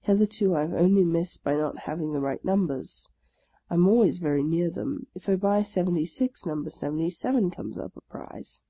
Hitherto I have only missed by not having the right numbers. I am always very near them. If I buy seventy six, number seventy seven comes up a prize.